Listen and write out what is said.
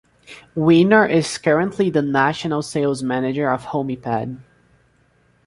Wiener is currently the National Sales Manager of Homyped.